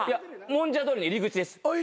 もんじゃ通りの入り口です。